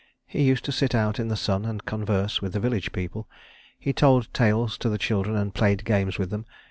He used to sit out in the sun and converse with the village people. He told tales to the children and played games with them.